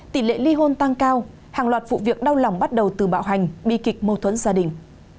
tỷ lệ ly hôn tăng cao hàng loạt vụ việc đau lòng bắt đầu từ bạo hành bi kịch mô thuẫn gia đình